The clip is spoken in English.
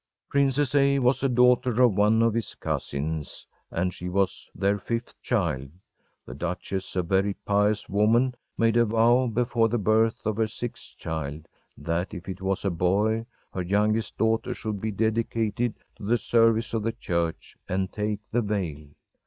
Princess A. was a daughter of one of his cousins, and she was their fifth child. The duchess, a very pious woman, made a vow before the birth of her sixth child, that if it was a boy, her youngest daughter should be dedicated to the service of the church and take the veil.